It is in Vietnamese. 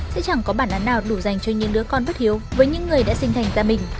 sẽ chẳng có bản án nào đủ dành cho những đứa con vất yếu với những người đã sinh thành ra mình